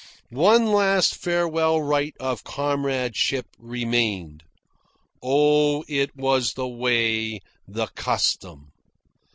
One last farewell rite of comradeship remained. (Oh, it was the way, the custom.)